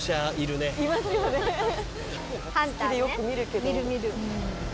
見る見る。